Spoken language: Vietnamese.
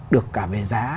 được cả về giá